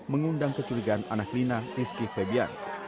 mengundang kecurigaan anak lina rizky febian